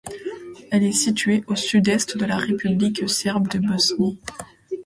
Elle est située au sud-est de la République serbe de Bosnie.